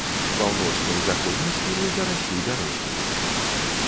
Паўночны і заходні схілы зараслі бярэзнікам.